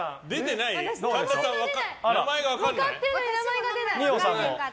神田さん、名前が分からない？